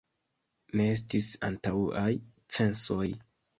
Ne estis antaŭaj censoj.